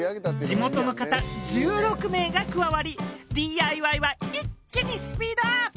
地元の方１６名が加わりＤＩＹは一気にスピードアップ。